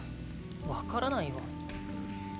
分からないよ。